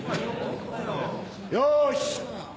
よし！